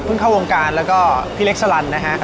เพิ่งเข้าวงการแล้วก็พูดเล็กซัแลนด์นะฮะ